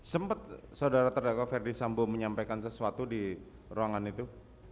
sempat saudara terdakwa ferdis sambo menyampaikan sesuatu di ruangan itu